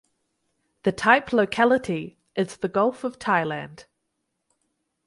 The type locality is the Gulf of Thailand.